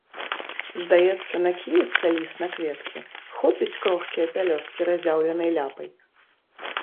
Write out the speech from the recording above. Здаецца, накінецца ліс на кветкі, хопіць крохкія пялёсткі разяўленай ляпай.